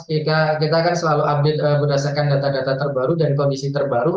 ika kita akan selalu update berdasarkan data data terbaru dan kondisi terbaru